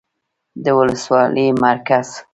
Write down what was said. ، د ولسوالۍ مرکز